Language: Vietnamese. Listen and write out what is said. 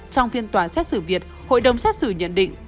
trong phiên tòa xét xử việt hội đồng xét xử nhận định